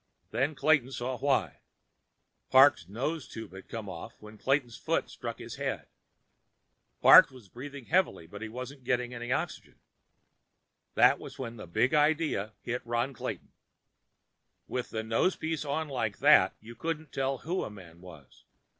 Then Clayton saw why. Parks' nose tube had come off when Clayton's foot struck his head. Parks was breathing heavily, but he wasn't getting any oxygen. That was when the Big Idea hit Ron Clayton. With a nosepiece on like that, you couldn't tell who a man was.